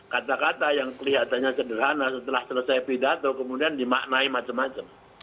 kata kata yang kelihatannya sederhana setelah selesai pidato kemudian dimaknai macam macam